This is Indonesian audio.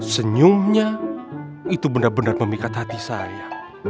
senyumnya itu benar benar memikat hati saya